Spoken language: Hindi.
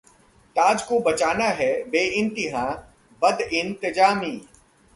ताज को बचाना हैः बेइंतिहा बदइंतजामी